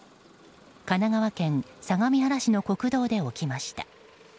神奈川県相模原市の国道で起きました。